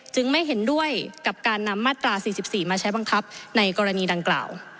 ไม่เห็นด้วยกับการนำมาตรา๔๔มาใช้บังคับในกรณีดังกล่าว